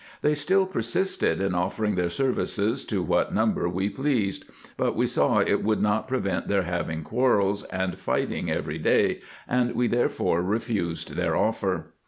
They still persisted in offering their services to what number we pleased ; but we saw it would not prevent their having quarrels and fighting every day, and we there fore refused their offer.